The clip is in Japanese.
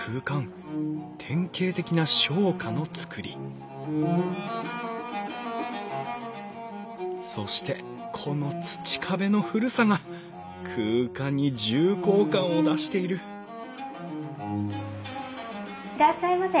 典型的な商家の造りそしてこの土壁の古さが空間に重厚感を出しているいらっしゃいませ。